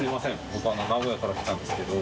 僕名古屋から来たんですけど。